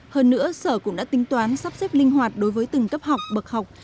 hơn nữa sở cũng đã tính toán sắp xếp linh hoạt đối với từng cấp học bậc học